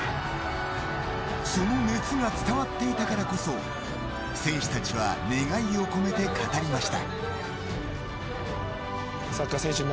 その熱が伝わっていたからこそ選手たちは願いを込めて語りました。